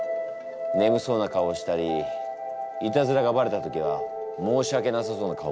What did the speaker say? ねむそうな顔をしたりいたずらがバレた時は申しわけなさそうな顔もする。